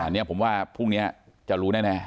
นี่ผมว่าพรุ่งนี้จะรู้แน่